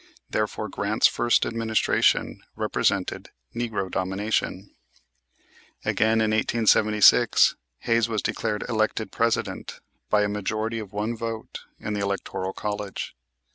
Therefore Grant's first administration represented "Negro Domination." Again, in 1876, Hayes was declared elected President by a majority of one vote in the electoral college.